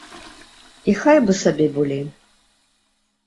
І хай бы сабе былі.